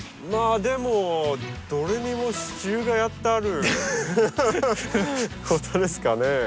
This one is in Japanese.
まあでもどれにも支柱がやってあることですかね。